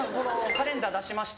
「カレンダー出しました